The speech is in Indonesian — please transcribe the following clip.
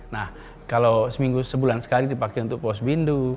nah kalau seminggu sebulan sekali dipakai untuk pos bindu